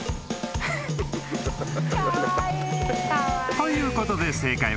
［ということで正解は］